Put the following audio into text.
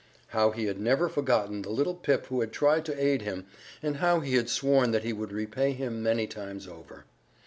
How he had never forgotten the little Pip who had tried to aid him, and how he had sworn that he would repay him many times over.